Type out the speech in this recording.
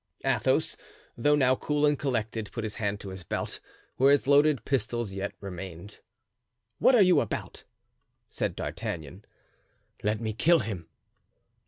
Athos, though now cool and collected, put his hand to his belt, where his loaded pistols yet remained. "What are you about?" said D'Artagnan. "Let me kill him."